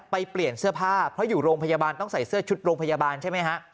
เปลี่ยนเสื้อผ้าเพราะอยู่โรงพยาบาลต้องใส่เสื้อชุดโรงพยาบาลใช่ไหมฮะ